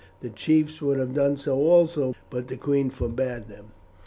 The chiefs would have done so also, but the queen forbade them.